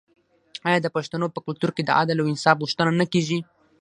آیا د پښتنو په کلتور کې د عدل او انصاف غوښتنه نه کیږي؟